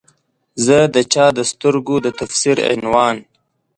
زه د چا د سترګو د تفسیر عنوان